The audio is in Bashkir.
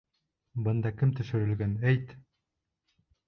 Бында кем төшөрөлгән, әйт!